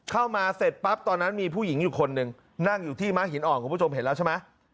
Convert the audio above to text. เข้ามาเสร็จปั๊บตอนนั้นมีผู้หญิงอยู่คนหนึ่งนั่งอยู่ที่ม้าหินอ่อนคุณผู้ชมเห็นแล้วใช่ไหม